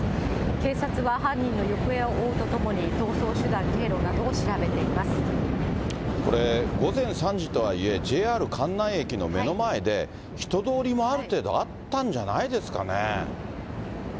警察は犯人の行方を追うとともに、逃走手段、午前３時とはいえ、ＪＲ関内駅の目の前で、人通りもある程度あったんじゃないですか